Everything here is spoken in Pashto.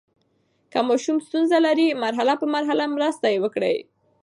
که ماشوم ستونزه لري، مرحلې په مرحله مرسته یې وکړئ.